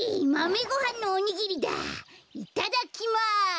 いただきます！